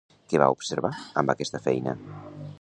Què va observar amb aquesta feina?